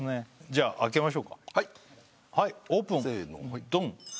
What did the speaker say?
じゃあ開けましょうかはいオープンせのドン！